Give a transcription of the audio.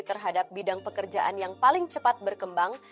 terhadap bidang pekerjaan yang paling cepat berkembang